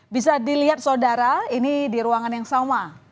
bisa dilihat saudara ini di ruangan yang sama